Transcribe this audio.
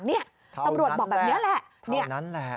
เท่านั้นแหละเท่านั้นแหละตำรวจบอกแบบนี้แหละ